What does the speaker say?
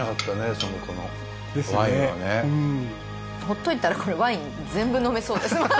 ほっといたらこれワイン全部飲めそうです。